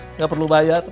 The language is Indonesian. enggak perlu bayar